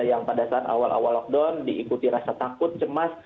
yang pada saat awal awal lockdown diikuti rasa takut cemas